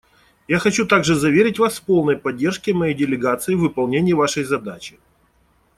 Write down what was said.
Я хочу также заверить вас в полной поддержке моей делегации в выполнении вашей задачи.